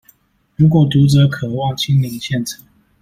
如果讀者渴望親臨現場